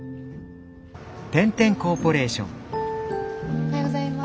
おはようございます。